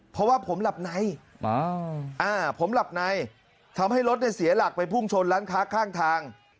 เพราะว่าผมหลับในผมหลับในทำให้รถเสียหลักไปพุ่งชนร้านค้าข้างทาง